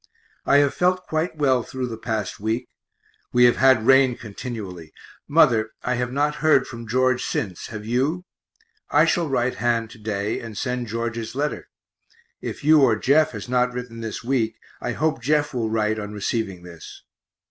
I have felt quite well though the past week we have had rain continually. Mother, I have not heard from George since, have you? I shall write Han to day and send George's letter if you or Jeff has not written this week, I hope Jeff will write on receiving this.